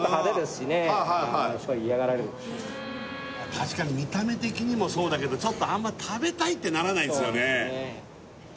確かに見た目的にもあれだけど、あんま食べたいって、ならないですよね。